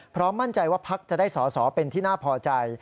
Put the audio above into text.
มั่นใจว่าพักจะได้สอสอเป็นที่น่าพอใจ